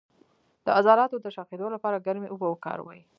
د عضلاتو د شخیدو لپاره ګرمې اوبه وکاروئ